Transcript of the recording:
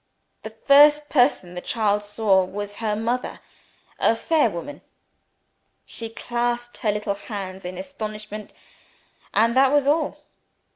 The first person the child saw was her mother a fair woman. She clasped her little hands in astonishment, and that was all.